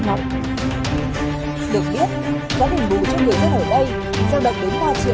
được biết giá đình đủ cho người dân ở đây